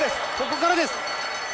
ここからです！